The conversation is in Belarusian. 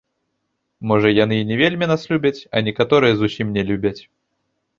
Можа яны і не вельмі нас любяць, а некаторыя зусім не любяць.